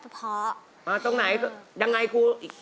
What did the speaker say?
คุณบ้านเดียวกันแค่มองตากันก็เข้าใจอยู่